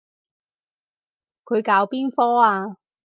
佢搞邊科啊？